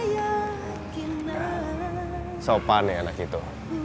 dan sopan ya anak itu